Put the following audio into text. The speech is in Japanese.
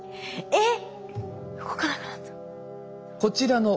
えっ。